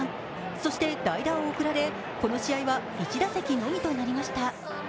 そして代打を送られ、この打席は１打席のみとなりました。